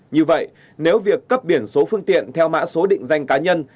như vậy nếu việc cấp biển số phương tiện theo mã số định danh cá nhân